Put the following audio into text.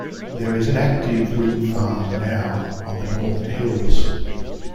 There is an active wind farm now on the northern hills.